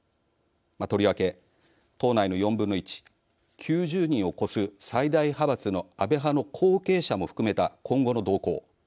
とりわけ、党内の４分の１９０人を超す最大派閥の安倍派の後継者も含めた今後の動向。